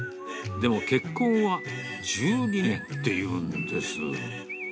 でも、結婚は１２年っていうんです。